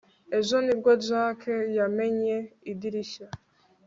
Ejo nibwo Jack yamennye idirishya